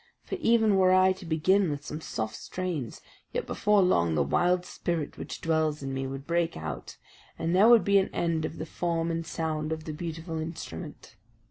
For even were I to begin with some soft strains, yet before long the wild spirit which dwells in me would break out, and there would be an end of the form and sound of the beautiful instrument.